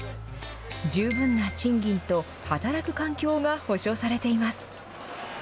十分な賃金と働く環境が保障されています。